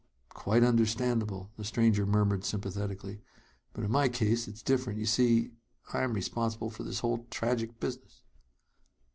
"Quite understandable," the stranger murmured sympathetically. "But in my case it is different. You see I am responsible for this whole tragic business!"